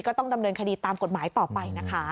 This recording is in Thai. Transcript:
ก็ต้องดำเนินคดีตามกฎหมายต่อไปนะคะ